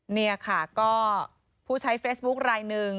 เนี่ยค่ะก็ผู้ใช้เฟซบุ๊กรายนึง